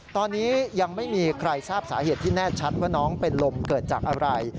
ตอนนี้ยังไม่มีใครทราบสาเหตุที่แน่ชัดว่าน้องเป็นลมเกิดจากอะไร